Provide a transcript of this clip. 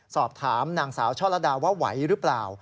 สอบถามนางสาวช่อลดาว่าไหวหรือเปล่า